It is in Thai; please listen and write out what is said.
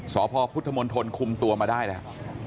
สอบพอพุทธมนต์ทนคุมตัวมาได้แหละ